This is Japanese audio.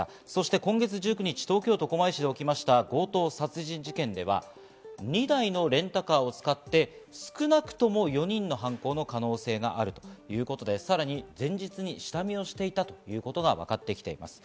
今月１９日、東京都狛江市で起きた強盗殺人事件では、２台のレンタカーを使って少なくとも４人の犯行の可能性があるということで、さらに前日に下見をしていたということがわかってきています。